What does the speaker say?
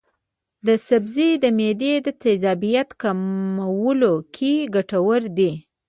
دا سبزی د معدې د تیزابیت کمولو کې ګټور دی.